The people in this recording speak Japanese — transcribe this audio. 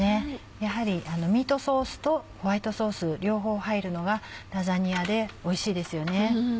やはりミートソースとホワイトソース両方入るのがラザニアでおいしいですよね。